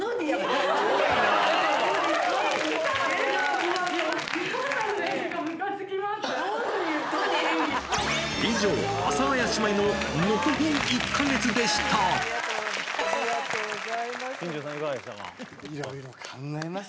ありがとうございます。